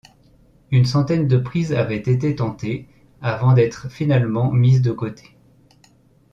Une centaine de prises avaient été tentées avant d'être finalement mise de côté.